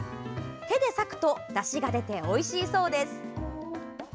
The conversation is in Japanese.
手で裂くとだしが出ておいしいそうです。